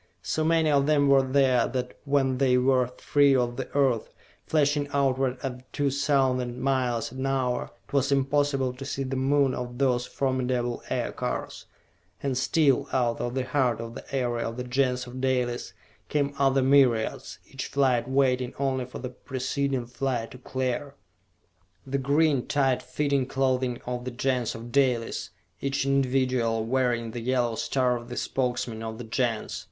So many of them were there that when they were free of the Earth, flashing outward at two thousand miles an hour, it was impossible to see the Moon or those formidable Aircars and still, out of the heart of the area of the Gens of Dalis, came other myriads, each flight waiting only for the preceding flight to clear! The green, tight fitting clothing of the Gens of Dalis, each individual wearing the yellow star of the Spokesman of the Gens!